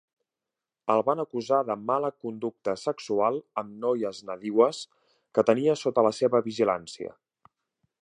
El van acusar de mala conducta sexual amb noies nadiues que tenia sota la seva vigilància.